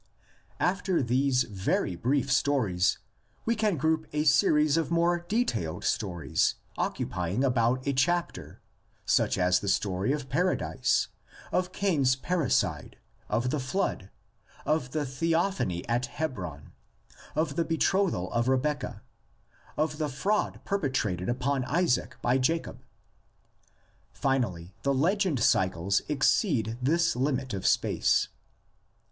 After these very brief stories we can group a series of more detailed stories occupying about a chapter, such as the story of Paradise, of Cain's parricide, of the Flood, of the theophany at Hebron, of the betrothal of Rebec cah, of the fraud perpetrated upon Isaac by Jacob. Finally the legend cycles exceed this limit of space.